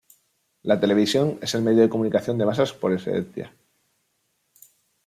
La televisión es el medio de comunicación de masas por excelencia.